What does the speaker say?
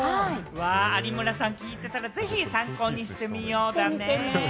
有村さん、聞いてたらぜひ参考にしてみよう！だね。